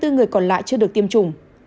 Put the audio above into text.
hai mươi người còn lại chưa được tiêm chủng